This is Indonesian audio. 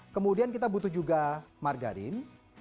kemudian kita butuh juga margarin